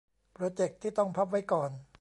โปรเจกต์ที่ต้องพับไว้ก่อน